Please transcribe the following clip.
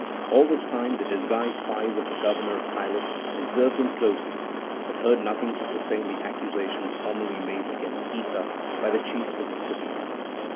All this time the disguised spies of the governor Pilate observed him closely, but heard nothing to sustain the accusations formerly made against Issa by the chiefs of the cities.